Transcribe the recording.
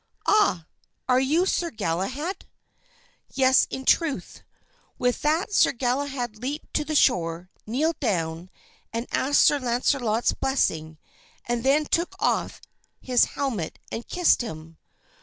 "Ah! Are you Sir Galahad?" "Yes, in truth." With that Sir Galahad leaped to the shore, kneeled down and asked Sir Launcelot's blessing, and then took off his helmet and kissed him.